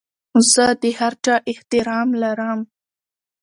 زه د هر چا احترام لرم.